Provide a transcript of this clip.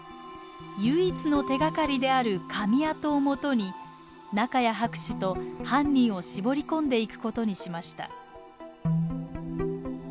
唯一の手がかりであるかみ跡を元に仲谷博士と犯人を絞り込んでいくことにしました。